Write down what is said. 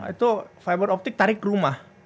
itu fiber optic tarik rumah